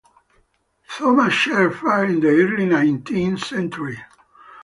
Thomas Sheppard, in the early nineteenth century.